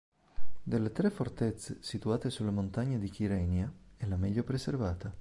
Delle tre fortezze situate sulle montagne di Kyrenia, è la meglio preservata.